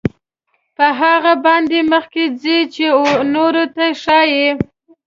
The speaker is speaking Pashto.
په هغه باندې مخکې ځي او نورو ته ښایي.